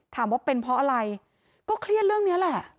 ถามว่าเป็นเพราะอะไรก็เครียดเรื่องนี้แหละ